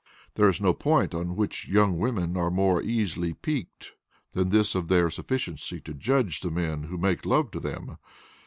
There is no point on which young women are more easily piqued than this of their sufficiency to judge the men who make love to them.